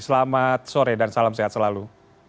selamat sore dan salam sehat selalu